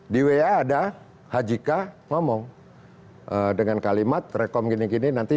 di wa ada haji k ngomong dengan kalimat rekom gini gini nanti